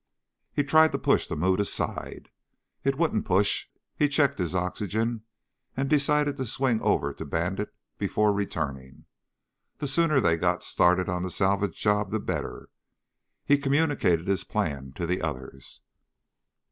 He tried to push the mood aside. It wouldn't push. He checked his oxygen, and decided to swing over to Bandit before returning. The sooner they got started on the salvage job, the better. He communicated his plan to the others.